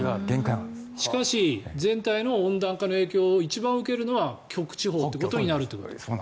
しかし全体の温暖化の影響を受けるのは一番受けるのは極地方ということになるわけなんですね。